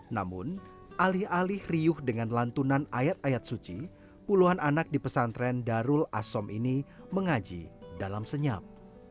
namun alih alih riuh dengan lantunan ayat ayat suci puluhan anak di pesantren darul asom ini mengaji dalam senyap